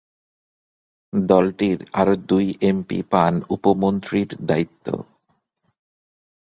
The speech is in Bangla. দলটির আরো দুই এমপি পান উপ-মন্ত্রীর দায়িত্ব।